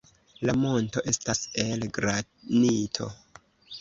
La monto estas el granito.